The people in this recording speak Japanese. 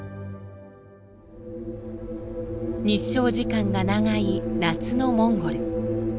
日照時間が長い夏のモンゴル。